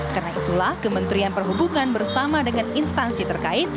karena itulah kementerian perhubungan bersama dengan instansi terkait